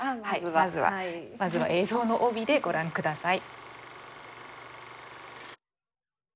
まずは映像の帯でご覧下さい。